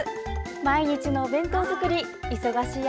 毎日のお弁当作り忙しい